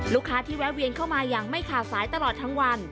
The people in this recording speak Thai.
ลูกค้าที่แวะเวียนเข้ามาอย่างไม่ขาดสายตลอดทั้งวัน